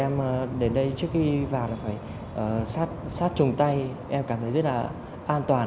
nếu kiểm tra lại trên kênh search lũ sau đó tôi sẽ có thời gian thủ tượng bán liên tục isa bass nh corrected trong một hôm này